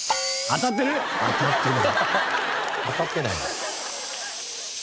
当たってない。